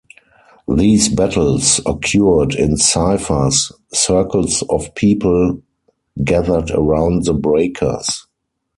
These battles occurred in "cyphers"-circles of people gathered around the breakers.